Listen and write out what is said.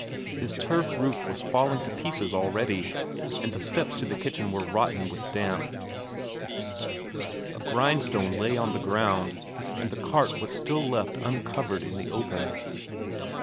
His turf roof was falling to pieces already, and the steps to the kitchen were rotten with damp; a grindstone lay on the ground, and the cart was still left uncovered in the open.